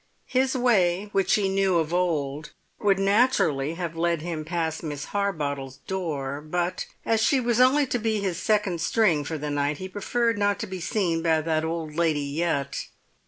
His way, which he knew of old, would naturally have led him past Miss Harbottle's door; but, as she was only to be his second string for the night, he preferred not to be seen by that old lady yet.